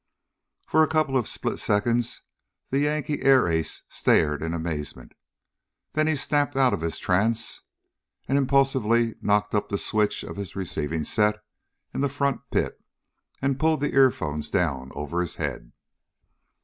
For a couple of split seconds the Yank air ace stared in amazement. Then he snapped out of his trance and impulsively knocked up the switch of his receiving set in the front pit, and pulled the earphones down over his head.